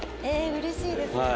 ええーうれしいです。